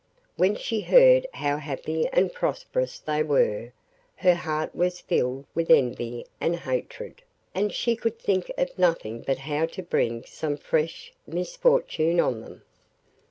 When she heard how happy and prosperous they were, her heart was filled with envy and hatred, and she could think of nothing but how to bring some fresh misfortune on them.